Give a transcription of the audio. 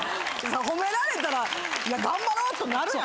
褒められたら頑張ろうとなるやんか。